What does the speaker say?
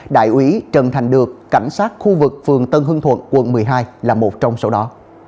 đại úy trần thành được cảnh sát khu vực phường tân hương thuận quận một mươi hai là một trong số đó